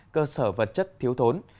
cơ sở vật chất thiếu thốn